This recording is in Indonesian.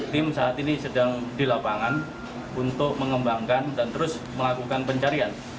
tim saat ini sedang di lapangan untuk mengembangkan dan terus melakukan pencarian